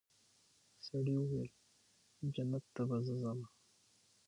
سړي وویل جنت ته به زه ځمه